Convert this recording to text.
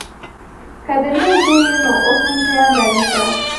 که د نر زوى يې نو اوس هم شيان رانيسه.